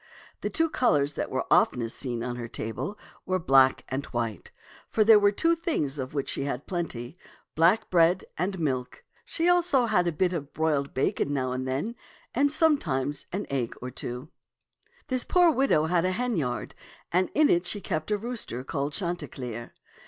The two colors that were oftenest seen on her table were black and white, for there were two things of which she had plenty, — black bread and milk. She had also a bit of broiled bacon now and then, and sometimes an egg or two. This poor widow had a henyard, and in it she kept a rooster called Chanticleer.